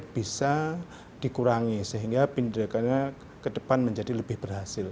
bisa dikurangi sehingga pendidikannya ke depan menjadi lebih berhasil